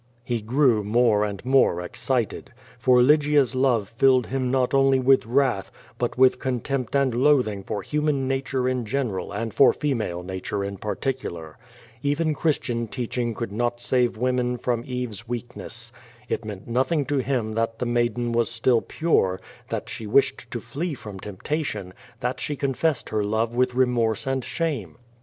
*' He grew more and more excited. For Lygia's love filled him not only with wrath, but with contempt and loathing for human nature in general and for female nature in particular. Even Christian teaching could not save woman from Eve's weakness. It meant nothing to him that the maiden was still pure, that she wished to flee from temptation, that she con fessed her love with remorse and shame.